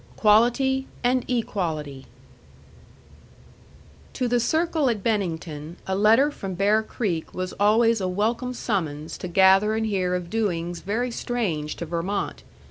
QUALITY AND EQUALITY To the circle at Bennington, a letter from Bear Creek was always a welcome summons to gather and hear of doings very strange to Vermont.